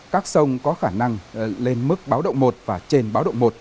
các sông có khả năng lên mức báo động một và trên báo động một